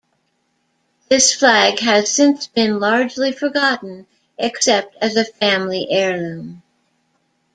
This flag has since been largely forgotten except as a family heirloom.